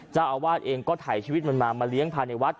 เจ้าอาวาสเองก็ถ่ายชีวิตมันมามาเลี้ยงภายในวัด